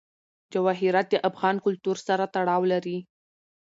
جواهرات د افغان کلتور سره تړاو لري.